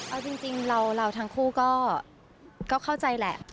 เอาจริงเราทั้งคู่ก็เข้าใจแหละ